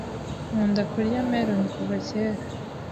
Nkunda kurya melon kuva Kera.